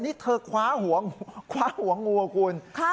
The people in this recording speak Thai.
นี่เธอคว้าหัวงูคุณ